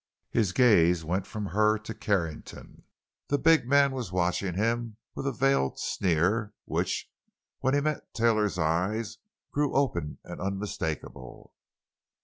His gaze went from her to Carrington. The big man was watching him with a veiled sneer which, when he met Taylor's eyes, grew open and unmistakable.